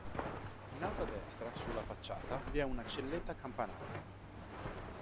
In alto a destra, sulla facciata, vi è una celletta campanaria.